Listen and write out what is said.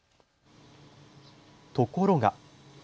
ところが。